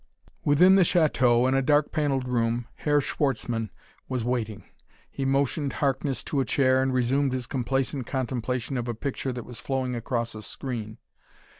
Within the chateau, in a dark paneled room, Herr Schwartzmann was waiting. He motioned Harkness to a chair and resumed his complacent contemplation of a picture that was flowing across a screen.